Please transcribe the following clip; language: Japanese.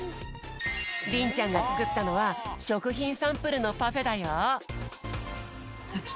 りんちゃんがつくったのはしょくひんサンプルのパフェだよ。